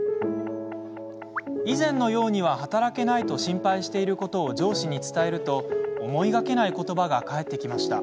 以前のようには働けないと心配していることを上司に伝えると、思いがけない言葉が返ってきました。